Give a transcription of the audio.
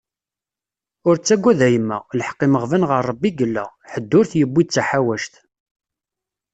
Ur ttagad a yemma, lḥeq imeɣban ɣer Rebbi i yella, ḥedd ur t-yewwi d taḥawact.